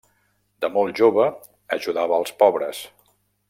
De molt jove ajudava als pobres.